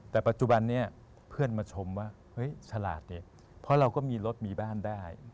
แต่ปัจจุบันนี้เพื่อนมาชมว่าเฮ้ยฉลาดเนี่ยเพราะเราก็มีรถมีบ้านได้